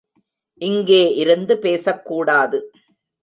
இங்கே இருந்து பேசக்கூடாது.